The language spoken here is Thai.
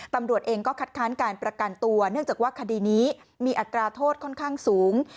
ตำรวจเองก็คัดค้านการประกันตัวเนื่องจากว่าคดีนี้มีอัตราโทษค่อนข้างสูง